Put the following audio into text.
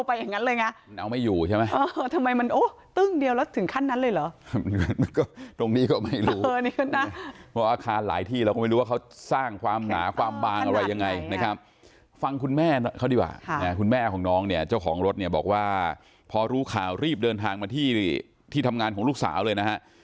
พอรู้ข่าวรีบเดินทางมาที่วุฒิที่ทำงานของลูกสาวเลยนะฮะ